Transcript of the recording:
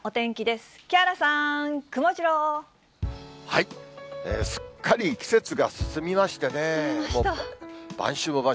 すっかり季節が進みましてね、晩秋も晩秋。